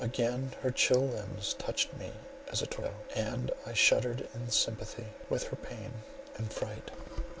Again her chill limbs touched me as a torpedo; and I shuddered in sympathy with her pain and fright.